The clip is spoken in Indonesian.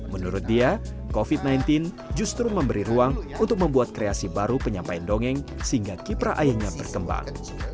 menurut dia covid sembilan belas justru memberi ruang untuk membuat kreasi baru penyampaian dongeng sehingga kiprah ayahnya berkembang